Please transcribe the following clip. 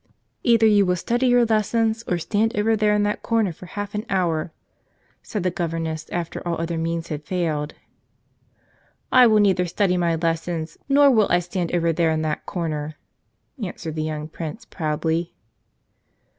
"Either you will study your lessons or stand over there in that corner for half an hour," said the gov¬ erness, after all other means had failed. "I will neither study my lessons nor will I stand over there in that corner !" answered the young Prince proudly.